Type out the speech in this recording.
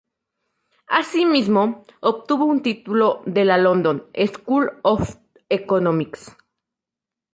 Asimismo obtuvo un título de la London School of Economics.